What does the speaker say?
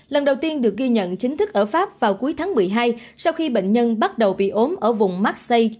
lần đầu tiên được ghi nhận chính thức ở pháp vào cuối tháng một mươi hai sau khi bệnh nhân bắt đầu bị ốm ở vùng maxi